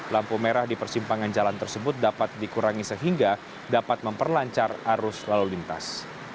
lampu merah di persimpangan jalan tersebut dapat dikurangi sehingga dapat memperlancar arus lalu lintas